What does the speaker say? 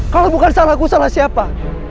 kalau bukan salahku salah siapa